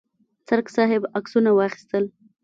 څرک صاحب عکسونه واخیستل.